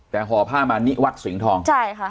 แต่ห่อผ้ามานิวัฒน์สิงห์ทอง